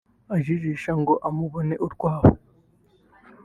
ajijisha ngo amubone urwaho